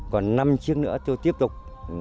còn năm chiếc nữa tôi tiếp tục